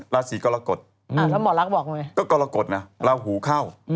ลาสีก็ละกดแล้ว